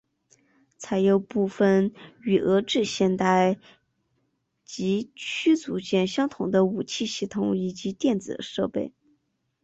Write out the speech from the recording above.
采用部分与俄制现代级驱逐舰相同的武器系统以及电子设备。